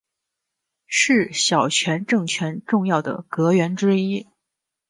是小泉政权重要的阁员之一。